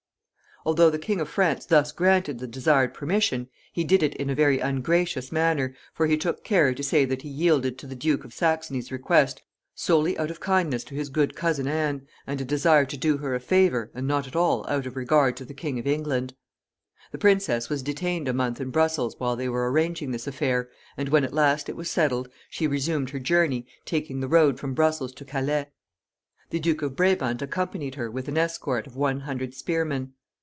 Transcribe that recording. Although the King of France thus granted the desired permission, he did it in a very ungracious manner, for he took care to say that he yielded to the Duke of Saxony's request solely out of kindness to his good cousin Anne, and a desire to do her a favor, and not at all out of regard to the King of England. The princess was detained a month in Brussels while they were arranging this affair, and when at last it was settled she resumed her journey, taking the road from Brussels to Calais. The Duke of Brabant accompanied her, with an escort of one hundred spearmen.